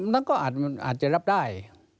นั้นก็อาจจะรับได้